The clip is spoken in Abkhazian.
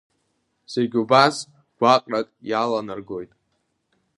Зегьы убас гәаҟрак иаланаргоит.